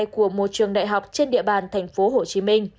của một trường đại học trên địa bàn tp hcm